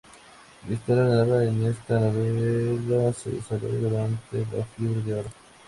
La historia narrada en esta novela se desarrolla durante la Fiebre del Oro.